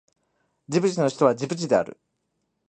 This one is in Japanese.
ジブチの首都はジブチである